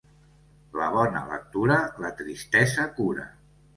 La bona lectura la tristesa cura.